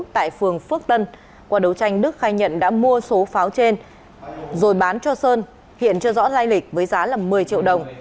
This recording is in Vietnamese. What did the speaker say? tại phường phước tân qua đấu tranh đức khai nhận đã mua số pháo trên rồi bán cho sơn hiện chưa rõ lai lịch với giá là một mươi triệu đồng